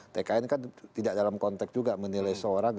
tkn kan tidak dalam konteks juga menilai seorang